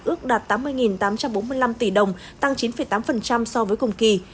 ước đạt tám mươi tám trăm bốn mươi năm tỷ đồng tăng chín tám so với cùng kỳ